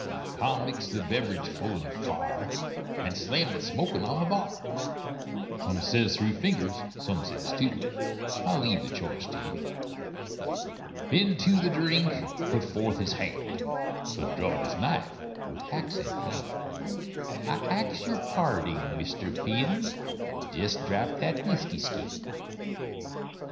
Tom mixed the beverage full and fa'r, And slammed it, smoking, on the bar. Some says three fingers, some says two, I'll leave the choice to you. Phinn to the drink put forth his hand; Blood drawed his knife, with accent bland, "I ax yer parding, Mister Phinn Jest drap that whisky skin."